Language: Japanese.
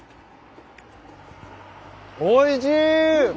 おいしい！